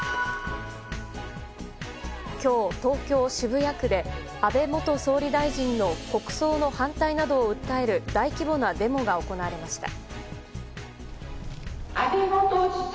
今日、東京・渋谷区で安倍元総理大臣の国葬の反対などを訴える大規模なデモが行われました。